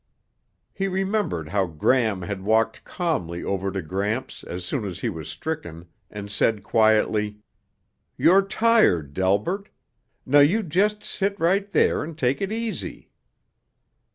He remembered how Gram had walked calmly over to Gramps as soon as he was stricken and said quietly, "You're tired, Delbert. Now you just sit right there and take it easy."